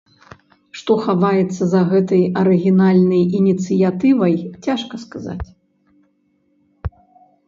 Што хаваецца за гэтай арыгінальнай ініцыятывай, цяжка сказаць.